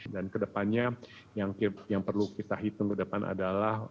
dan kedepannya yang perlu kita hitung ke depan adalah